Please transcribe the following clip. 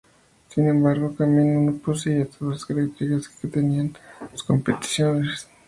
Sin embargo, Camino no poseía todas las características que tenían sus competidores.